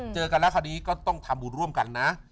เจอกันแล้วคราวนี้ก็ต้องทำบุญร่วมกันนะ